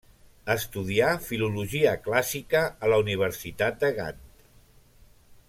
Estudià filologia clàssica a la Universitat de Gant.